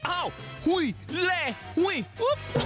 อ้าวหุ้ยเล่หุ้ยปุ๊บ